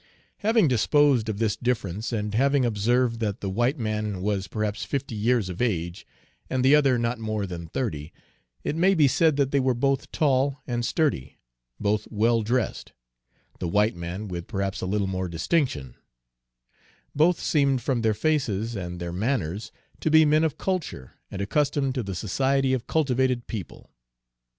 Having disposed of this difference, and having observed that the white man was perhaps fifty years of age and the other not more than thirty, it may be said that they were both tall and sturdy, both well dressed, the white man with perhaps a little more distinction; both seemed from their faces and their manners to be men of culture and accustomed to the society of cultivated people.